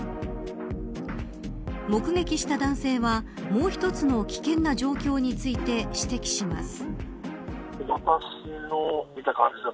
目撃した男性はもう一つの危険な状況について指摘します。